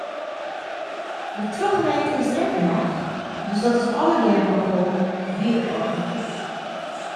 De trochreed is der ek noch, dus dat is allegear noch wol heel autentyk.